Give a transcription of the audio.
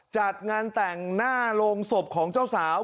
จัดงานแต่งหน้าโรงศพของเจ้าสาว